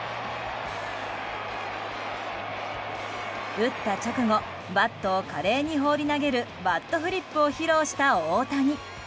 打った直後バットを華麗に放り投げるバットフリップを披露した大谷。